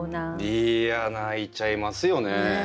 いや泣いちゃいますよね。